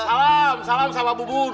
salam salam sama bubun